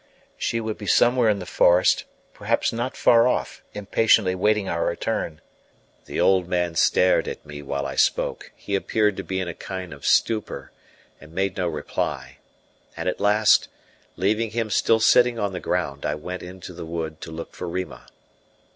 She would be somewhere in the forest, perhaps not far off, impatiently waiting our return. The old man stared at me while I spoke; he appeared to be in a kind of stupor, and made no reply: and at last, leaving him still sitting on the ground, I went into the wood to look for Rima.